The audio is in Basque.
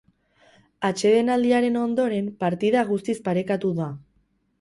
Atsedenaldiaren ondoren, partida guztiz parekatu da.